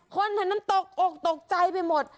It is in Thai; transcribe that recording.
คนแถวนั้นตกอกตกใจไปหมด